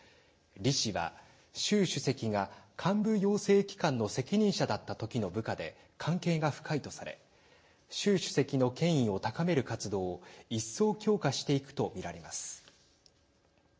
李氏は習主席が幹部養成機関の責任者だった時の部下で関係が深いとされ習主席の権威を高める活動を一層強化していくと見られます。